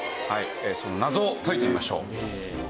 その謎を解いてみましょう。